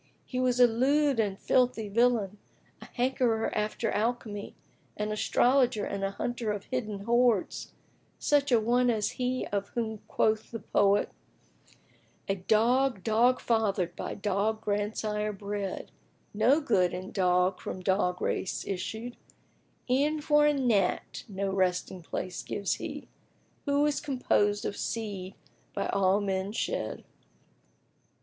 He was a lewd and filthy villain, a hankerer after alchemy, an astrologer and a hunter of hidden hoards, such an one as he of whom quoth the poet, "A dog, dog fathered, by dog grandsire bred; * No good in dog from dog race issued: E'en for a gnat no resting place gives he * Who is composed of seed by all men shed."